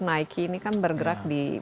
nike ini kan bergerak di